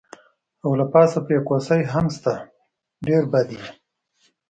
او له پاسه پرې کوسۍ هم شته، ډېر بد یې.